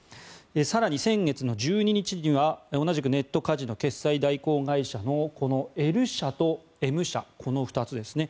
更に先月１２日には同じくネットカジノ決済代行会社のこのＬ社とＭ社この２つですね。